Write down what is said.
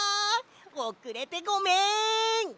おくれてごめん！